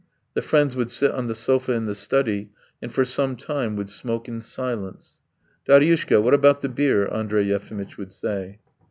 The friends would sit on the sofa in the study and for some time would smoke in silence. "Daryushka, what about the beer?" Andrey Yefimitch would say.